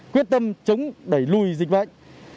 quyết tâm chống đẩy lùi dịch bệnh